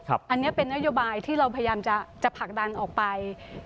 อันนี้เป็นนโยบายที่เราพยายามจะผลักดันออกไป